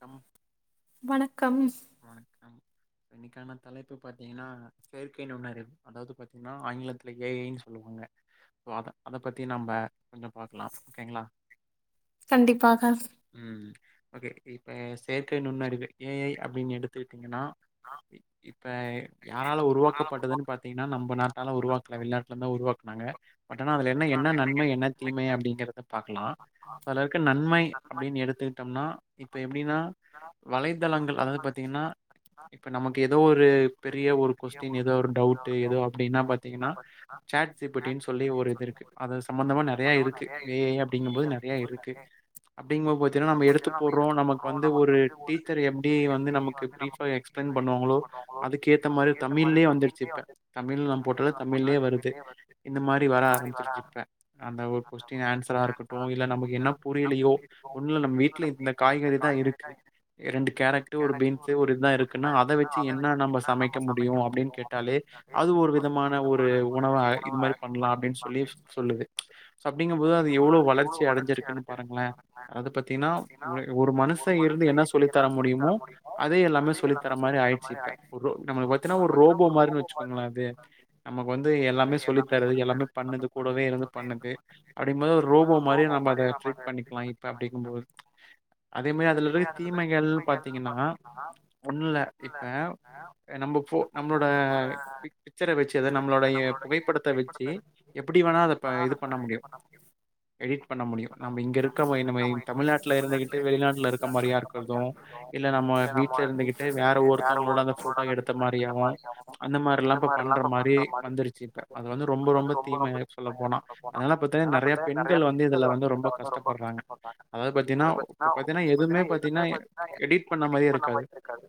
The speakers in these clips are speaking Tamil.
நம் வணக்கம் வணக்கம் இன்னிக்கான தலைப்பு பாத்தீங்கன்னா செயற்கை நுண்ணறிவு அதாவது பாத்தீங்கன்னா ஆங்கிலத்துல ஏ ஐன்னு சொல்லுவாங்க சோ அத அத பத்தி நம்ப கொஞ்சோ பாக்லாம் ஓகேங்களா கண்டிப்பாக ம் ஓகே இப்ப செயற்கை நுண்ணறிவு ஏ ஐ அப்டின்னு எடுத்துக்கிட்டீங்கன்னா இப்ப யாரால உருவாக்கப்பட்டதுன்னு பாத்தீங்கன்னா நம்ப நாட்டால உருவாக்க க வெளிநாட்லருந்தா உருவாக்குனாங்க பட் ஆனா அதுல என்னை என்ன நன்மை என்ன தீமை அப்டிங்கிறத பாக்கலா அதுலருக்க நன்மை அப்டினு எடுத்துக்கிட்டம்னா இப்ப எப்டின்னா வலைத்தளங்கள் அதாவது பாத்தீங்கன்னா இப்ப நமக்கு எதோ ஒரு பெரிய ஒரு கொஸ்டின் எதோ ஒரு டவுட்டு எதோ அப்டின்னா பாத்தீங்கென்னா ஜாட் ஜி பி டின்னு சொல்லி ஒரு இருக்கு அது சம்பந்தமா நெறையா இருக்கு ஏ ஐ அப்டிங்கும் போது நெறையா இருக்கு அப்டிங்க போது பாத்தீன்னா நம்ம எடுத்து போட்றோ நமக்கு வந்து ஒரு டீச்சர் எப்டி ஏ ஐ வந்து நமக்கு ப்ரீஃபா எக்ஸ்பிளைன் பண்ணுவாங்களோ அதுக்கேத்த மாரி தமிழ்லயே வந்துடுச்சு இப்ப தமிழ்ல நம்ம போட்டாலே தமிழ்லே வருது இந்த மாரி வர தா ஆரம்பிச்சுருச்சு இப்ப அந்த ஒரு கொஸ்டின் ஆன்சரா இருக்கட்டு இல்ல நமக்கு என்ன புரியலையோ ஒன்னுல்ல நம்ம வீட்டுல இந்த காய்கறி தா இருக்கு ரெண்டு கே கேரட்டு ஒரு பீன்ஸ்சு ஒரு இதா இருக்குன்னா அத வெச்சு என்னா நம்ம சமைக்க முடியு அப்டின்னு கேட்டாலே அது ஒரு விதமான ஒரு உணவ அ இது மாரி பண்லா சொல்லியே சொ சொல்லுது சோ அப்டிங்கம்போது அது எவ்ளோ வளர்ச்சி அடஞ்சுருக்குன்னு பாருங்ளே அது பாத்தீங்கன்னா ஒரு ஒரு மனுஷே இருந்து என்ன சொல்லிக் தர முடியுமோ அதே எல்லாமே செல்லி தர மாரி ஆயிச்சிஇப்ப ரோ நம்ம பாத்தினா ரோபோ மாரிவச்சு சொன்லது நமக்கு வந்து எல்லாமே சொல்லி தரது எல்லாமே பண்ணது கூடவே இருந்து பண்ணுது அப்டின்போது ஒரு ரோபோ மாரியே நம்ம அத டிரிட் பண்ணிக் வாங்கிப்ப அப்டிக்கும்போது அதே ம அதிலலுள் தீமைகள் பாத்தீங்கன்னா ஒண்ல இப்ப நம்ம ஃபோ நம்மளோட பி பிக்சர வச்சி நம்மளோடைய புகைப்படத்த வ சே எப்டி வேணா அத இது பண்ண முடியு எடிட் பண்ண முடியு நம்ம இங்க இருக்க மாரி நம்ம தமிழ்நாட்ல இருந்துகிட்டு வெளிநாட்டுல இருக்க மாரியா கற்தும் இல்ல நம்ம வீட்ல இருந்துகிட்டே வேற ஒருத்தவங்களோட அந்த போட்டோ எடுத்த மாரியோ அந்த மாரி லா இப்ப பண்ற மாரி வந்துருச்சு இப்ப அது வந்து ரொம்ப ரொம்ப தீமையா சொல்ல போனா அதனால பாத்தீங் நறையா பெண்கள் வந்து இதுல வந்து ரொம்ப கஷ்டப்பட்றாங்க அதாது பாத்தீங்கன்னா இப்ப பாத்தீங்கன்னா எதுவுமே பாத்தீங்கன்னா எடிட் பண்ண மாயே இருக்காது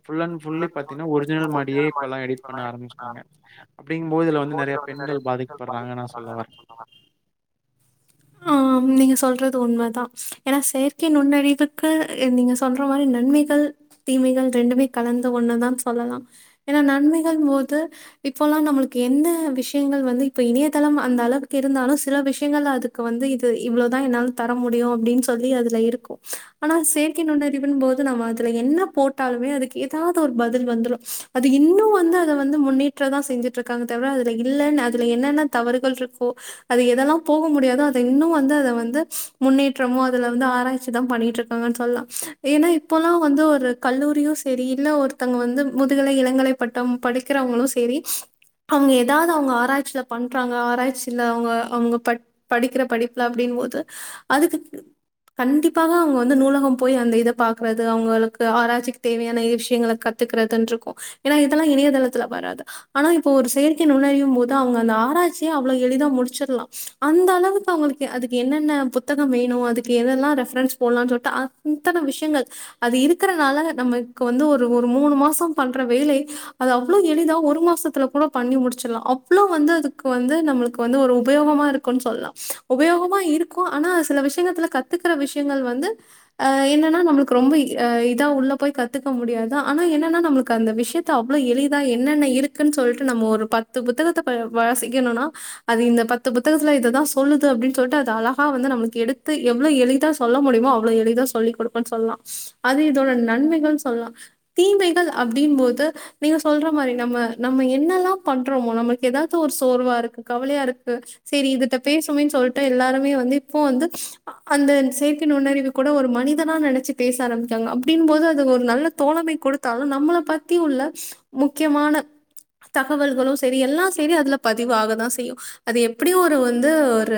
ஃபுல் அண்ட் ஃபுல்லி பாத்தீங்கன்னா ஒரிஜினல் மாடியே இப்பலா எடிட் பன்ன ஆரம்பிரிச்சிட்க்காங்க அப்டிங்கும்போது இதுல வந்து நறைய பெண்கள் பாதிக்கப்படுறாங்க நா சொல்ல வார ஆம் நீங்க சொல்றது உண்மதா ஏனா செயற்கை நுண்ணறிவுக்கு நீங்க சொல்ற மாரி நன்மைகள் தீமைகள் ரெண்டுமே கலந்த ஒண்ணுதா சொல்லலா ஏன்னா நன்மைகள் போது இப்பல்லாம் நம்மளுக்கு எந்த விஷ்யங்கள் வந்து இப்ப இணையதளம் அந்த அளவுக்கு இருந்தாலும் சில விஷ்யங்கள் அதுக்கு வந்து இது இவ்வளோதான் என்னால தர முடியும் அப்டின்னு சொல்லி அதுல இருக்கும் ஆனா செயற்கை நுண்ணறிவு போது நம்ம அதுல என்ன போட்டாலுமே அதுக்கு ஏதாது ஒரு பதில் வந்துரும் அது இன்னும் வந்து அத வந்து முன்னேற்ற தான் செஞ்சுட்டு இருக்காங்க தவிர அதுல இல்ல அ அதுல என்னென்ன தவறுகள் ருக்கோ அது எதெல்லாம் போக முடியாதோ அத இன்னும் வந்து வந்து முன்னேற்றமோ அதுல வந்து ஆராய்ச்சி தான் பண்ணிட்டுரு சொல்லாம் ஏன்னா இப்பல்லாம் வந்து ஒரு கல்லூரியும் சரி இல்ல ஒருத்தங்க வந்து முதுகலை இளங்கலை பட்டம் படிக்கிறவங்களும் சேரி அவங்க ஏதாவது அவங்க ஆராய் ச்சில பண்றாங்க ஆராய்ச்சில்ல அவங் அவங்க ப படிக்கிற படிப்புல அப்டின் போது அதுக்கு கண்டிப்பாக அவங்க வந்து நூலகம் போய் அந்த இத பாக்குறது அவங்களுக்கு ஆராய்ச்சிக் தேவையான விஷ்யங்கள கத்துக்கறதுன்ருக்கும் ஏன்னா இதெல்லா இணையதளத்துல வராது ஆனா இப்போ ஒரு செயற்கை நுண்ணறியும் போ தா அவங்க அந்த ஆராய்ச்சிய அவ்ளோ எளிதா முடிச்சிர்லாம் அந்த அளவுக்கு அவங்களுக்கு அதுக்கு என்னென்ன பு ததம் வேணும் அதுக்கு எதெல்லாம் ரெஃபரன்ஸ் போடலாம் சொல்ட்டு அத்தன விஷ்யங்கள் அது இருக்கறனால நமக்கு வந்து ஒரு ஒரு மூணு மாசோ பண்ற வேலை அது அவ்ளோ எளிதா ஒரு மாசத்துல கூட பண்ணி முடிச்சிர்லா அவ்லோ வந்து அதுக்கு வந்து நம்மள்க்கு வந்து ஒரு உபயோகமா இருக்கும் சொல்லா உபயோகமா இருக்கோ ஆனா சில விஷயங்கள்த்துல கத்துக்கற விஷ்யங்கள் வந்து அ என்னன்னா நம்மள்க்கு ரொம்ப அ இதா உள்ள போய் கத்துக்க முடியாது ஆனா என்னன்னா நம்மள்க்கு அந்த விஷ்யத்த த அவ்ளோ எளிதா என்னென்ன இருக்குன்னு சொல்ட்டு நம்ம ஒரு பத்து புத்தகத்த வாசிக்கணுனா அது இந்த பத்து புத்தகத்துல இத தா சொல்லுது அப்டின் சொல்ட்டு அது அழகா வந்து நம்மள்க்கு எடுத்து எவ்ளோ எளிதா சொல்ல முடியுமோ அவ்ளோ எளிதா சொல்லிக் குடுக்கன் சொல்லாம் அது இதோட நன்மைகள் சொல்லலா தீமைகள் அப்படின் போது நீங்க சொல்ற மாரி நம்ம நம்ம என்னெல்லாம் பண்றோமோ நம்ம ஏதாது ஒரு சோர்வா இருக்கு கவலையா இருக்கு சரி இதுட்ட பேசுமேன் சொல்ட்டு எல்லாருமே வந்து இப்போ வந்து அந்த செயற்கை நுண்ணறிவு குட ஒரு மனிதனா நனைச்சு பேச ஆரம்பிக்காங்க அப்டின் போது அது ஒரு நல்ல தோழமை குடுத்தாலும் நம்மள பத்தி உள்ள முக்கியமான தகவல்கள்ளோ செரி எல்லாம் தெரி அதுல பதிவாக தா செய்யு அது எப்டியு ஒரு வந்து ஒரு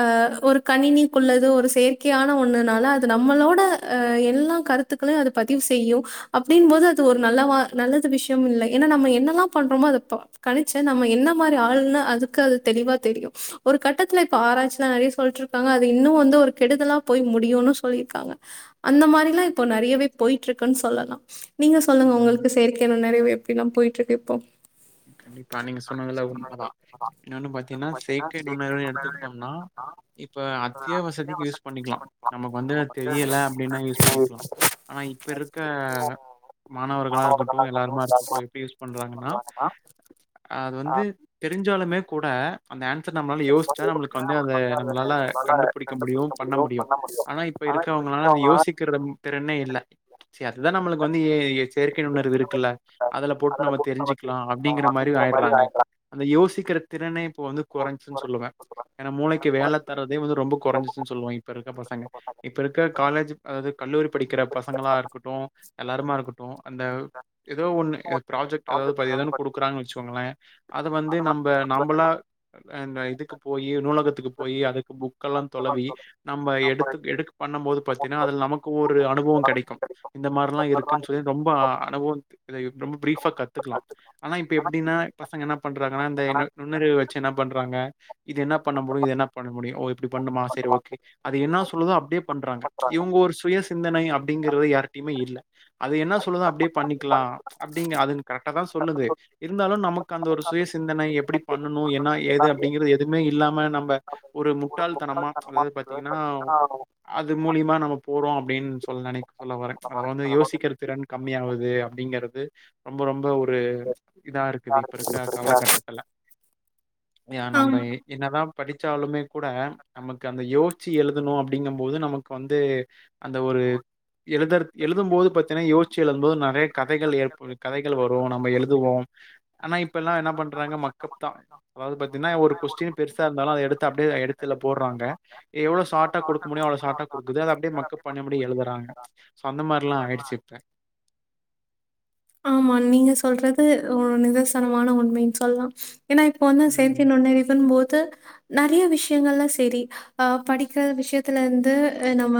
அ ஒரு கணினிக்குள்ளது ஒரு செயற்கையான ஒண்ணுனால அது நம்மளோட அ எல்லா கருத் த்துகள அது பதிவு செய்யு அப்டின் போது அது ஒரு நல்லவா நல்லது விஷ்யம் இல்லை ஏன்னா நம்ம என்னெல்லா பண்றோமோ அத‌ ப கணிச்சு து நம்ம என்ன மாரி ஆளுன்ன அதுக்கு அது தெளிவா தெரியு ஒரு கட்டத்தில இப்ப ஆராய்ச்சில நறைய சொல்ட்ருக் காங்க அது இன்னு வந்து ஒரு கெடுதல்லா போய் முடியுனு சொல்லியிருக்காங்க அந்த மாரிலா‌ இப்போ நிறையவே போயிட்டு இருக்குன் சொல்லலா நீங்க சொல்லுங்க உங்களுக்கு செயற்கை நுண்ணறிவு எப்படிலா போயிட்டு இருக்கு இப்போ அ நீங்க சொன்னதுல உண்மதா என்னனு பாத்தீனா செயற்கை நுண்ணறிவு எடுத்துக்கிட்டம்னா இப்ப அத்தியாவசதிக்கு யூஸ் பண்ணிக்கலா நமக்கு வந்து தெரியல அப்டினா யூஸ் பண்ணிக்லா ஆனா இப்ப இருக்க மாணவர்களா இருக்கட்டு எல்லாருமா இருக்கட்டு எப்டி யூஸ் பண்றாங்கன்னா அது வந்து தெரிஞ்சாலுமே கூட அந்த ஆன்சர் நம்மளால யோசிச்சா நம்ளுக்கு வந்து அத நம்மளால கண்டுபுடிக்க முடியு பண்ண முடியு ஆனா இப் இப்ப இருக்குவங்களால அத யோசிக்கிறத திறனே இல்ல சே அதுதா நம்ளுக்கு வந்து ஏ ஐ இ செயற்கை நுண்ணறிவு இருக்குல்ல அதுல போட்டு நம்ம தெரிஞ்சுக்லா அப்டிங்கிற மாரி ஆய்றாங்க இப்ப அந்த யோசிக்கிற திறனே இப்ப வந்து குறைஞ்சுச் சொல்லுவே ஏனா மூளைக்கு வேல தர்றதே வந்து ரொம்ப குறைஞ்சிச்சுன் சொல்லுவோ இப்ப இருக்க பசங்க இப்ப இருக்க காலேஜு அது கல்லூரி படிக்கிற பசங்களா இருக்கட்டு எல்லாருமா இருக்கட்டு அந்த ஏதோ ஒண்ணு ப்ராஜெக்ட் அதாவது ப ஏதோன்னு கொடுக்குறாங்கு வச்சுகோங்ளே அது வந்து நம்ப நம்புளா அண்டு இதுக்கு போயி நூலகத்துக்கு போயி அதுக்கு புக்கல்லா தொலவி நம்ம எடுத்துட் எடிட் பண்ணுபோது பாத்தீன்னா அதுல நமக்கு ஒரு அனுபவ கிடைக்கு இந்த மார்லா இருக்குன் சொல்லி ரொம்ப அனுபவ ரொம்ப ப்ரீஃபா கத் துக்லா ஆனா இப்ப எப்டின்னா பசங்க என்ன பண்றாங்கன்னா இந்த நுண்ணுறிவு வச்சு என்ன பண்றாங்க இது என்ன பண்ண முடியு இது என்ன பண்ண முடியு ஓ இப்டி பண்ணுமா சரி ஓகே அது என்னா சொல்லுதோ அப்டியே பண்றாங்க இவுங்க ஒரு சுய சிந்தனை அப்டிங்குறது யார்ட்டையுமே இல்ல அது என்ன சொல்லுதோ அப்டி பண்ணிக்கலா அப்டிங்கற அது கரெக்டாதா சொல்லுது இருந்தாலு நமக்கு அந்த ஒரு சுயசிந்தனை எப்படி பண்ணனு என்னா ஏது அப்டிங்கிறது எதுமே இல்லாம நம்ப ஒரு முட்டாள்தனமா அதாவது பாத்தீங்கன்னா அது மூலிய்மா நம்ம போறோ அப்டின் சொல்ல னை சொல்ல வரே அத வந்து யோசிக்கிற திறன் கம்மியாவுது அப்டிங்கறது ரொம்ப ரொம்ப ஒரு ஒரு இதா இருக்குது இப்ப இருக்க காலகட்டத்துல ஏ நம்ப என்னதா படிச்சாலுமே கூட நமக்கு அந்த யோசிச்சு எழுதணு அப்படிங்கும் போது நமக்கு வந்து அந்த ஒரு எழுதர் எழுதும்போது பாத்தீன்னா யோசிச்சு எழுதும்போது நெறய கதைகள் ஏற்படுத் கதைகள் வரு நம்ம எழுதுவோ ஆனா இப்ப எல்லா என்ன பண்றாங்க மக்கப்தா அதாது பாத்தீங்னா ஒரு கொஸ்டின் பெருசா இருந்தாலு அத எடுத்து அப்டியே எடுத்துல போட்றாங்க எவ்ளோ சாட்டா கொடுக்க முடியு அவ்ளோ சாட்டா கொடுக்குது அத அப்டியே மக்கப் பண்ண முடி எழுதுறாங்க சொ அந்த மார்லா ஆயிடுச்சு இப்பே ஆமா நீங்க சொல்றது ஒரு நிதர்சனமான உண்மைன் சொல்லா ஏனா இது இப்ப வந்து செயற்கை நுண்ணறிதுன் போது நெறைய விஷயங்கள் லா செரி ஆ படிக்கிற விஷயத்துல இருந்து நம்ம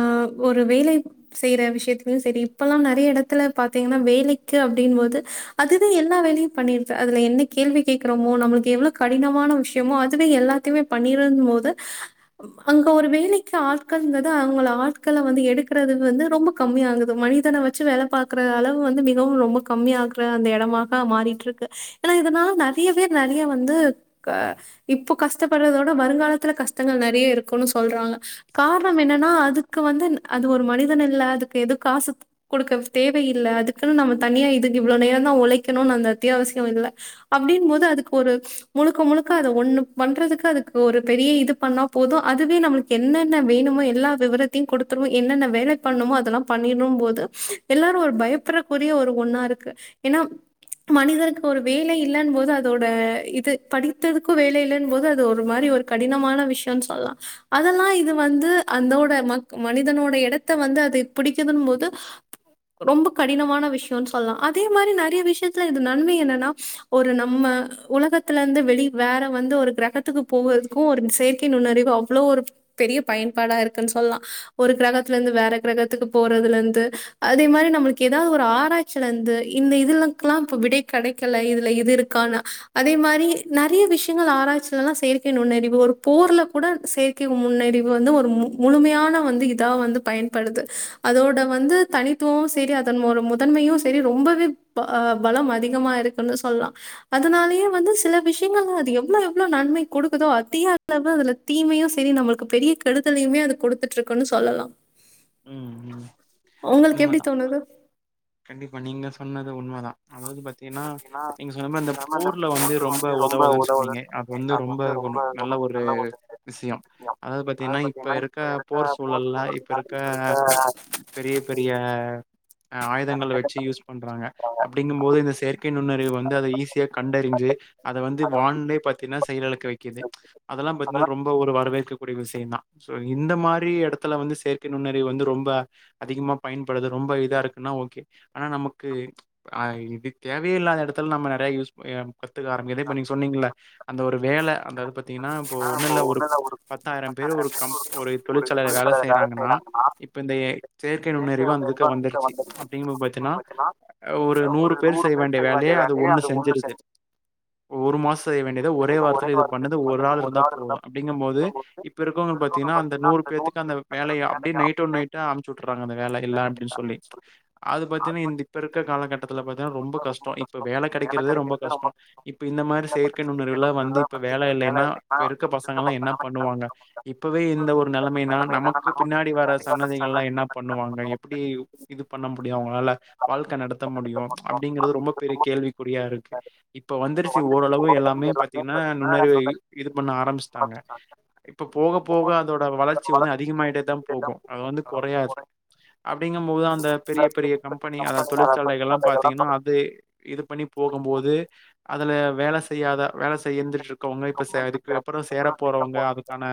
ஒரு வேலை செய்ற விஷயத்திலயு சரி இப்பெல்லா நறைய இடத்துல பாத்தீங்னா வேலைக்கு அப் டிங்போது அதுதா எல்லா வேலையு பண்ணிடுது அதுல என்ன கேள்வி கேட்கறோமோ நம்ளுக்கு எவ்ளோ கடினமான விஷயமோ அதுவே எல்லாத்தையுமே பண்ணிரும் போது அங்க ஒரு வேலைக்கு ஆட்கள்ங்கிறது அவுங்கள ஆட்கள வந்து எடுக்றது வந்து ரொம்ப கம்மியாகுது மனிதன வச் சு வேல பாக்குற அளவு வந்து மிகவு ரொம்ப கம்மியாகற அந்த இடமாதா மாறிட்ருக்கு இல்ல இதனால நெறைய பேர் நெறைய வந்து க இப்போ கஷ்டப்படுறதோட வருங்காலத்துல கஷ்டங்கள் நறைய இருக்குன்னு சொல்றாங்க காரணம் என்னன்னா அது க்கு வந்து அது ஒரு மனிதனல்ல அதுக்கு எது காசு குடுக்க தேவையில்ல அதுக்குன் நம்ம தனியா இதுக்கு இவ்ளோ நேரதா உழைக்கணுன்னு அந்த அத்தியாவசியோ இல்ல அப்டின்போது அதுக்கு ஒரு முழுக்க முழுக்க அத ஒண்ணு பண்றதுக்கு அதுக்கு ஒரு பெரிய இது பண்ணா போது அதுவே நம்மளுக்கு என்னென்ன வேணுமோ எல்லா விவரத்தயு குடுத்துரு என்னென்ன வேல பண்ணுமோ அதெல்லா பண்ணிடுபோது எல்லாரு ஒரு பயப்பரக்குரிய ஒரு ஒண்ணா இருக்கு ஏன்னா மனிதருக்கு ஒரு வேல இல்லன் போது அதோட இது படித்ததுக்கு வேல இல்லன் போது அது ஒரு மாரி ஒரு கடினமான விஷயோன் சொல்லா அதெல்லா இது வந்து அந்தோட மக் மனிதனோட இடத்த வந்து அது பிடிக்குதுன்னும் போது ரொம்ப கடினமான வி விஷ்யோன் சொல்லா அதே மாரி நெறைய விஷயத்துல இந்த நன்மை என்னன்னா ஒரு நம்ம உலகத் த்துல இருந்து வெளி வேற வந்து ஒரு கிரகத்துக்கு போவர்துக்கு ஒரு செயற்கை நுண்ணறிவு அவ்ளோ ஒரு பெரிய பயன்பாடா இருக்குன் சொல்லா ஒரு கிரகத்துல இருந்து வேற கிரகத்துக்கு போறதுலருந்து அதே மாரி நம்மளுக்கு ஏதாவது ஒரு ஆர் பாச்சிலருந்து இந்த இதுலக்கெல்லா இப்ப விடை கடைக்கல இதுல இது இருக்கானு அதே மாரி நறைய விஷயங்கள் ஆராய்ச்சிலெல்லா செயற்கை நுண்ணறிவு ஒரு போர்ல கூட செய ற்கை முன்னறிவு வந்து ஒரு மு முழுமையான வந்து இதா வந்து பயன்படுது அதோட வந்து தனி த்து சேரி அதன் ஒரு முதன்மையு சேரி ரொம்பவே அ பலம் அதிகமா இருக்குன்னு சொல்லா அதனாலயே வந்து சில விஷயங்கள்ல அது எவ்ளோ எவ்ளோ நன்மை கொடுக்குதோ அதிக அளவு அதுல தீமையு சேரி நம்மளுக்கு பெரிய கெடுதலையுமே அது கொடுத்துட்டு இருக்குன்னு சொல்லலா உங்களுக்கு எப்டி தோணுது கண்டிப்பா நீங்க சொன்னது உண்மதா அதாவது பாத்தீங்கன்னா நீங்க சொன்ன மாரி இந்த போர்ல வந்து ரொம்ப உதவுதுன்னு சொ சொன்னீங்க அது வந்து ரொம்ப நல்ல ஒரு விஷியோ அதாவது பாத்தீங்கன்னா இப்ப இருக்க போர் சூழல்ல இப்ப இருக்க பெரிய பெரிய அ ஆயுதங்கள வச்சு யூஸ் பண்றாங்க அப்டிங்கும் போது இந்த செயற் கை நுண்ணறிவு வந்து அத ஈஸியா கண்டறிஞ்சு அத வந்து வான்லே பாத்தீங்கன்னா செயலிலக்க வக்கிது அதெல்லாம் பாத்தீங்கன்னா ரொம்ப ஒரு வரவேற்கக்கூடிய விஷயோ தா சோ இந்த மாரி எடத்துல வந்து செயற் கை நுண்ணறிவு வந்து ரொம்ப அதிகமா பயன்படுது ரொம்ப இதா இருக்குன்னா ஓகே ஆனா நமக்கு அ இது தேவ இல்லாத இடத்துல நம்ம நிறைய யூஸ் கத்துக்க ஆரம்பிகற்தே இப்ப நீங்க சொன்னீங்கள அந்த ஒரு வேல அந்தது பாத்தீங்கன்னா இப்போ ஒண்ணும் இல்ல ஒரு பத்தாயிரம் பேரு ஒரு கம் ஒரு தொழிற்சாலை லா வேல செய்யறாங்கன்னா இப்ப இந்த செயற்கை நுண்ணறிவு அந்ததுக்கு வந்துருச்சு அப்டிங்கும் போது பாத்தீன்னா அ ஒரு நூறு பேர் செய்ய வேண்டிய வேலயே அது ஒண்ணு செஞ்சிருது ஒரு மாசோ செய்ய வேண்டிய ஒரே வாரத்துல இது பண்ணது ஒரு ஆள் இருந்தா போது அப்டிங்கும் போது இப்ப இருக்கவுங்க பாத்தீங்கன்னா அந்த நூறு பேத்துக்கு அந்த வேலைய அப்டியே நைட் ஓட நைட்டா அமிச்சு விட்டுறாங்க அந்த வேல இல்லா அப்டின்னு சொல்லி அது பாத்தீங்கன்னா இந்த இப்ப இருக்க காலகட்டத்துல பாத்தீங்கன்னா ரொம்ப கஷ்டோ இப்ப வேல கிடைக்கிறதே ரொம்ப கஷ்டோ இப்ப இந்த மாரி செயற்கை நுண்ணரிவுலா வந்து இப்ப வேல இல்லைன்னா இப்ப இருக்க பசங்கல்லா என்ன பண்ணுவாங்க இப்பவே இந்த ஒரு நிலைமைனா நமக்கு பின் பின்னாடி வர சன்னதிகள்ல்லா என்ன பண்ணுவாங்க எப்படி இது பண்ண முடியும் அவுங்களால வாழ்க்கை நடத்த முடியு அப்படிங்கறது ரொம்ப பெரிய கேள்விக்குறியா இருக்கு இப்ப வந்துருச்சு ஓரளவு எல்லாமே பாத்தீங்கன்னா நுண்ணறிவு இது பண்ண ஆரம்பிச்சுட்டாங்க இப்ப போக போக அதோட வளர்ச்சி வந்து அதிகமாய்ட்டேதா போகு அது வந்து கொறையாது அப்படிங்க போதுதான் அந்த பெரிய பெரிய கம்பெனி அ தொழிற்சாலைகள்ல்லா பாத்தீங்கன்னா அது இது பண்ணி போகும்போது அதுல வேலை செய்யாத வேலை செய்யந்துட்டு இருக்கவுங்க இப்ப இருக்குற அப்புறம் சேர போறவுங்க அதுக்கான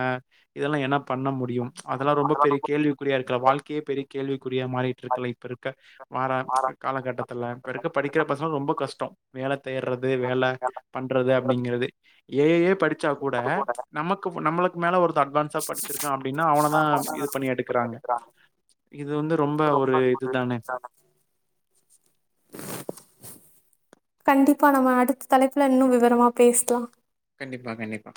இதெல்லாம் என்ன பண்ண முடியும் அதெல்லாம் பெரிய கேள்விக்குறியா இருக்க வாழ்க்கையே பெரிய கேள்விக்குரியா மாறிட்டு இருக்குல இப்போ இருக்க வர்ற காலகட்டத்துல இப்ப இருக்க படிக்கிற பசங்க ரொம்ப கஷ்டம் வேல தேட்றது வேல பண்றது அப்படிங்கறது எ ஐ யே படிச்சா கூட நமக்கு க்கு நம்மளுக்கு மேல ஒருத்தன் அட்வான்ஸா படிச்சிருக்கான் அப்படின்னா அவனதான் இது பண்ணி எடுக்குறாங்க இது வந்து ரொம்ப ஒரு இதுதானே கண்டிப்பா நம்ம அடுத்த தலைப்புல இன்னும் விவரமா பேசலாம் கண்டிப்பா கண்டிப்பா